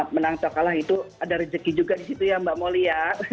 menang atau kalah itu ada rezeki juga disitu ya mbak molly ya